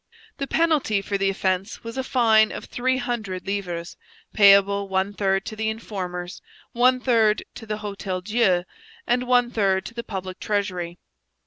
The penalty for the offence was a fine of three hundred livres, payable one third to the informers, one third to the Hotel Dieu, and one third to the public treasury.